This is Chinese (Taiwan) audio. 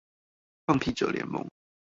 放屁者聯盟